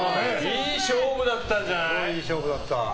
いい勝負だったんじゃない？